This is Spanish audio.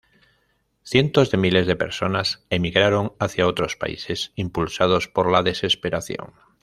Cientos de miles de personas emigraron hacia otros países impulsados por la desesperación.